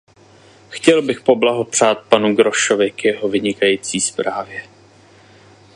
Chtěl bych poblahopřát panu Groschovi k jeho vynikající zprávě.